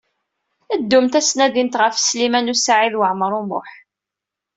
Ddumt ad d-tnadimt ɣef Sliman U Saɛid Waɛmaṛ U Muḥ.